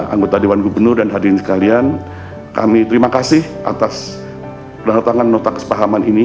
anggota dewan gubernur dan hadirin sekalian kami terima kasih atas kedatangan nota kesepahaman ini